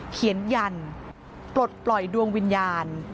ยันปลดปล่อยดวงวิญญาณ